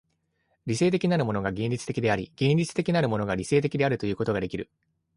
理性的なるものが現実的であり、現実的なるものが理性的であるということができる。